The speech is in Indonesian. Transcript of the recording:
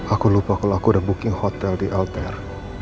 aku lupa kalau aku udah booking hotel di altair